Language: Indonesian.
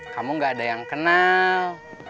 kamu gak ada yang kenal